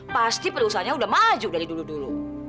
pasti perusahaannya sudah maju dari dulu dulu